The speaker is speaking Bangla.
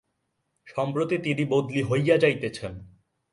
সম্প্রতি তিনি বদলি হইয়া যাইতেছেন।